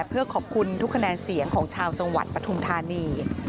เพื่อขอบคุณทุกคะแนนเสียงของชาวจังหวัดปฐุมธานี